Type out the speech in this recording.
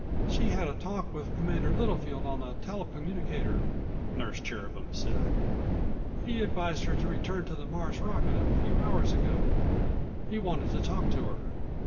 "She had a talk with Commander Littlefield on the tele communicator," Nurse Cherubin said. "He advised her to return to the Mars' rocket a few hours ago. He wanted to talk to her